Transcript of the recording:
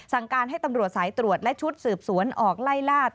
สั่งการให้ตำรวจสายตรวจและชุดสืบสวนออกไล่ลาด